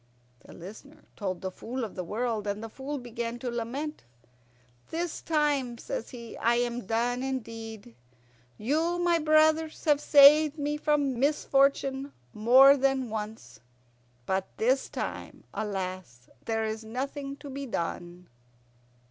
The Listener told the Fool of the World, and the Fool began to lament. "This time," says he, "I am done indeed. You, my brothers, have saved me from misfortune more than once, but this time, alas, there is nothing to be done."